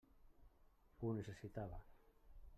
Ho necessitava.